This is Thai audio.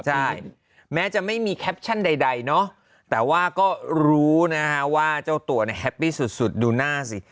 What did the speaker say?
ใช่แม้จะไม่มีแคปชั่นใดเนาะแต่ว่าก็รู้นะฮะว่าเจ้าตัวเนี่ยแฮปปี้สุดดูหน้าสิ